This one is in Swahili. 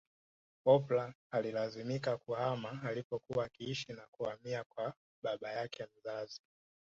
Oprah alilazimika kuhama alipokuwa akiishi na kuhamia kwa baba yake mzazi